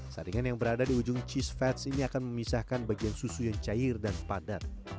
saringan yang berada di ujung cheese fats ini akan memisahkan bagian susu yang cair dan padat